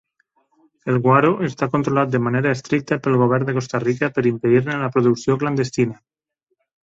El "guaro" està controlat de manera estricta pel govern de Costa Rica per impedir-ne la producció clandestina.